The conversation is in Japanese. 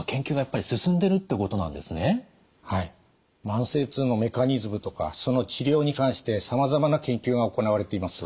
慢性痛のメカニズムとかその治療に関してさまざまな研究が行われています。